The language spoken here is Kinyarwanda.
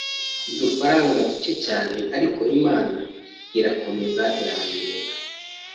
udufaranga duke cyane ariko Imana irakomeza irandinda